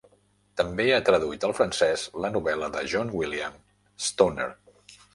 També ha traduït al francès la novel·la de John William "Stoner".